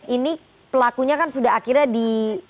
ini pelakunya kan sudah akhirnya di